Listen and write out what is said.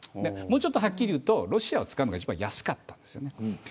もっとはっきり言うとロシアを使うのが一番安かったんです。